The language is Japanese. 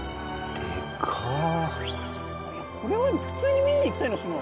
これは普通に見に行きたいなっしな。